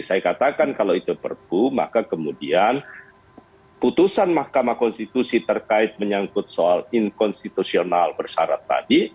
saya katakan kalau itu perpu maka kemudian putusan mahkamah konstitusi terkait menyangkut soal inkonstitusional bersyarat tadi